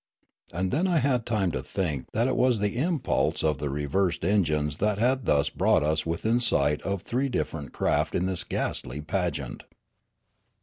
And then I had time to think that it was the impulse of the reversed engines that had thus brought us within sight of three different craft in this ghastly pageant.